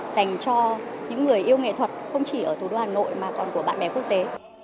dành cho những người yêu nghệ thuật không chỉ ở thủ đô hà nội mà còn của bạn bè quốc tế